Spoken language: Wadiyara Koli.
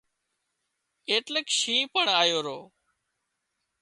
ايٽليڪ شِينهن پڻ آيو رو